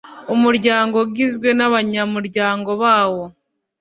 Umuryango ugizwe n abanyamuryango bawo